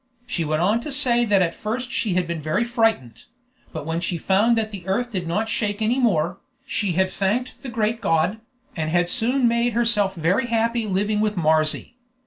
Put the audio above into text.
She went on to say that at first she had been very frightened; but when she found that the earth did not shake any more, she had thanked the great God, and had soon made herself very happy living with Marzy.